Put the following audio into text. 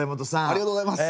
ありがとうございます。